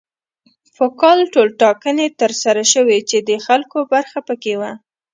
په کال ټولټاکنې تر سره شوې چې د خلکو برخه پکې وه.